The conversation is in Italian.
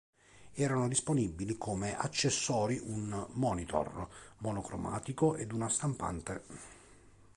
Erano disponibili come accessori un monitor monocromatico ed una stampante.